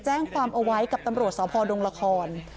แจ้งความเอาไว้กับตำรวจสาวพอร์ดงราคอน